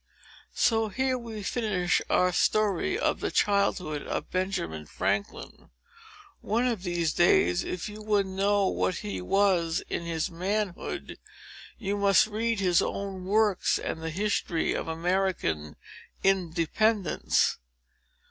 So here we finish our story of the childhood of Benjamin Franklin. One of these days, if you would know what he was in his manhood, you must read his own works, and the history of American Independence.